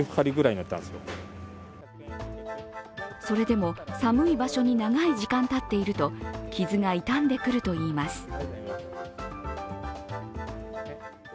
それでも寒い場所に長い時間たっていると傷が痛んでくるといいます。